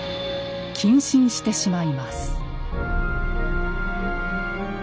謹慎してしまいます。